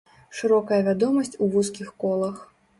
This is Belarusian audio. Шырокая вядомасць у вузкіх колах.